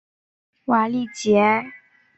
瓦利吉埃。